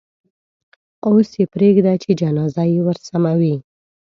اوس یې پرېږده چې جنازه یې ورسموي.